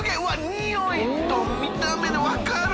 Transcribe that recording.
においと見た目で分かる！